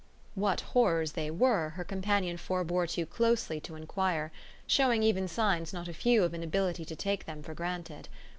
What horrors they were her companion forbore too closely to enquire, showing even signs not a few of an ability to take them for granted.